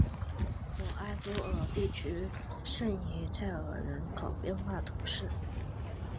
沃埃夫尔地区圣伊莱尔人口变化图示